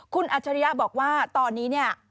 คุณอัชริยะบอกว่าตอนนี้